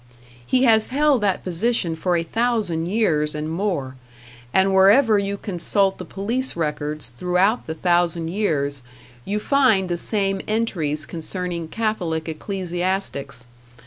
He has held that position for a thousand years and more; and wherever you consult the police records throughout the thousand years, you find the same entries concerning Catholic ecclesiastics.